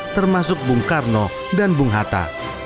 termasuk bung karno dan bung hatta